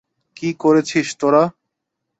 কী করেছিস তোরা?